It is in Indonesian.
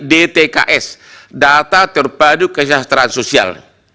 dtks data terpadu kesejahteraan sosial